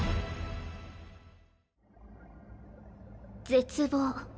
絶望。